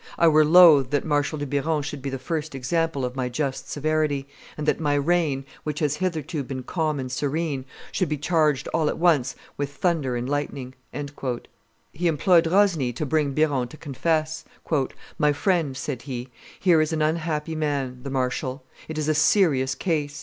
I were loath that Marshal de Biron should be the first example of my just severity, and that my reign, which has hitherto been calm and serene, should be charged all at once with thunder and lightning." He employed Rosily to bring Biron to confess. "My friend," said he, "here is an unhappy man, the marshal. It is a serious case.